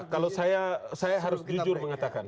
kalau saya harus jujur mengatakan